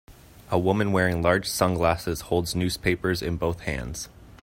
A woman wearing large sunglasses holds newspapers in both hands.